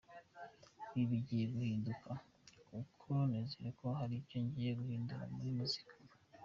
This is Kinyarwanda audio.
Ibi bigiye guhinduka kuko nizeye ko hari icyo ngiye guhindura muri muzika yaho.